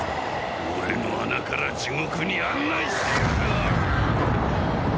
俺の穴から地獄に案内してやるー！